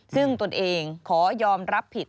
ซึ่งตนเองขอยอมรับผิด